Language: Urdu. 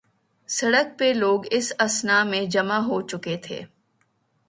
سڑک پہ لوگ اس اثناء میں جمع ہوچکے تھے۔